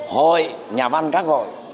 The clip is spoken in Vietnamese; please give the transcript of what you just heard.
hội nhà văn các hội